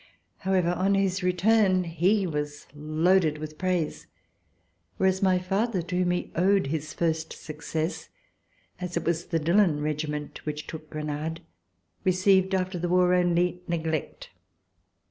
However, on his return he was loaded with praise, whereas my father, to whom he owed his first success, as it was the Dillon Regiment which took Grenade, received after the war only neglect.